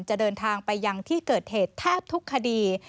จะเดินทางไปยังที่เกิดเหตุแทบทุกคดี